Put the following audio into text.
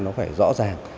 nó phải rõ ràng